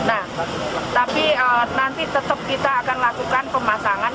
nah tapi nanti tetap kita akan lakukan pemasangan